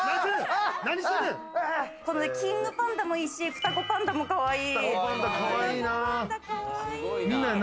このキングパンダもいいし、双子パンダもかわいい。